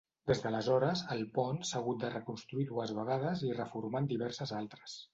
Des d'aleshores, el pont s'ha hagut de reconstruir dues vegades i reformar en diverses altres.